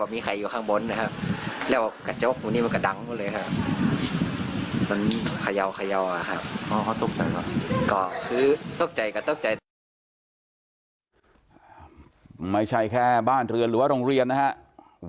ไม่ใช่แค่บ้านเรือนหรือว่าโรงเรียนนะครับ